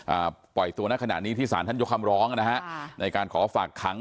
อ่าปล่อยตัวในขณะนี้ที่สารท่านยกคำร้องนะฮะค่ะในการขอฝากขัง